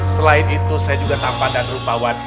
selain itu saya juga tampan dan rupawan